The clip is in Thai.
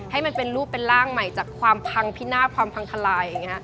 ให้มันเป็นรูปเป็นร่างใหม่จากความพังพินาศความพังทลายอย่างนี้